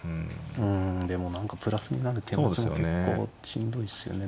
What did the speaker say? うんでも何かプラスになる手持ちも結構しんどいですよね